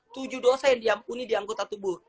tujuh dosa yang dianggota tubuh